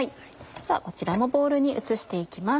ではこちらもボウルに移して行きます。